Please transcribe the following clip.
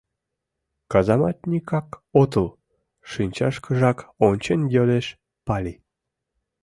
— Казаматньыкак отыл? — шинчашкыжак ончен йодеш Пали.